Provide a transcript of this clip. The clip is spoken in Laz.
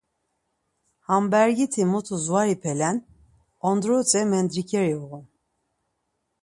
Ham bergiti mutus var ipelen, ondretze mendriǩeri uğun.